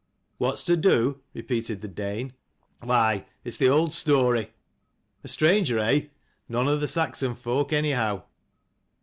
"What's to do?" repeated the Dane; "why, it's the old story. A stranger, eh? none of the Saxon folk anyhow."